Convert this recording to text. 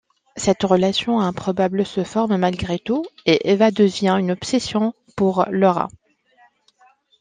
Cette relation improbable se forme malgré tout, et Eva devient une obsession pour Laura.